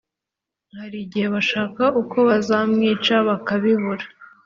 hari igihe bashaka uko bazamwica bakabibura